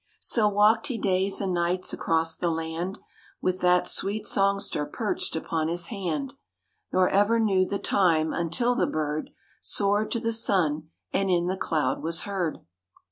So walked he days and nights across the land With that sweet songster perched upon his hand Nor ever knew the time until the bird Soared to the sun and in the cloud was heard.